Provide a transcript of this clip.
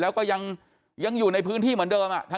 แล้วก็ยังอยู่ในพื้นที่เหมือนเดิม